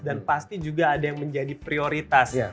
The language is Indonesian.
dan pasti juga ada yang menjadi prioritas